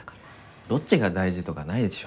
どっちが大事とかないでしょ。